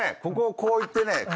ここをこう行ってね